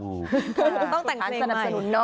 ต้องแต่งเพลงใหม่